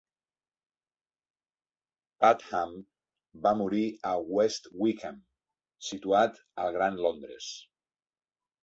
Padgham va morir a West Wickham, situat al Gran Londres.